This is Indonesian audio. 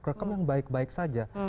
rekam yang baik baik saja